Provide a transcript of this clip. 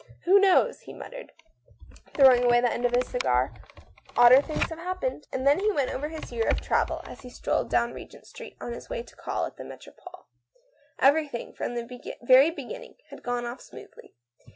" Who knows ?" he muttered, throwing away the end of. his cigar ;" odder things have happened." And then he went over his year of travel 170 THE STORY OF A MODERN WOMAN. as he strolled down Regent Street on his way to call at the MStropole. Everything, from the very beginning, had gone off smoothly.